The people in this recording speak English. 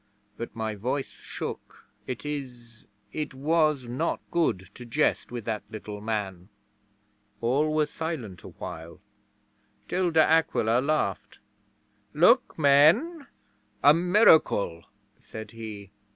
But my voice shook. It is it was not good to jest with that little man. 'All were silent awhile, till De Aquila laughed. "Look, men a miracle," said he.